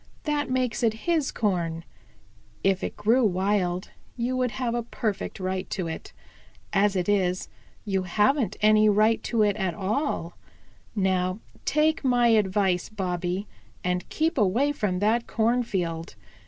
That makes it his corn. If it grew wild, you would have a perfect right to it. As it is, you haven't any right to it at all. Now take my advice, Bobby, and keep away from that cornfield.